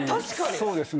そうですね。